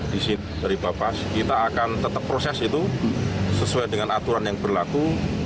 di situ dari bapak kita akan tetap proses itu sesuai dengan aturan yang berlaku